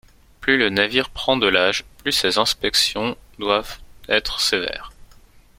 Plus le navire prend de l’âge, plus ces inspections doivent être sévères.